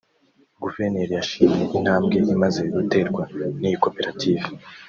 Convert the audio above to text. Guverineri yashimye intambwe imaze guterwa n’iyi koperative